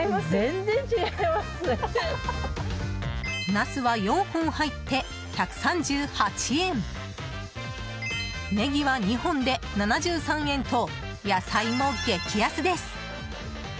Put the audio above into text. ナスは４本入って１３８円ネギは２本で７３円と野菜も激安です。